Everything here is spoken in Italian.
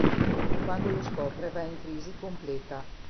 Quando lo scopre va in crisi completa.